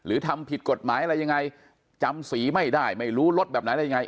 ทำผิดกฎหมายอะไรยังไงจำสีไม่ได้ไม่รู้รถแบบไหนได้ยังไง